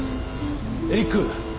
エリック！